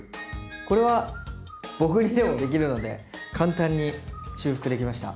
これは僕にでもできるので簡単に修復できました。